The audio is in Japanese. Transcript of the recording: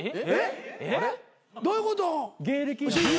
えっ？どういうこと？